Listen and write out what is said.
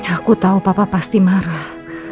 aku tahu papa pasti marah